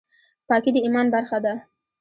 پاکي د ایمان برخه ده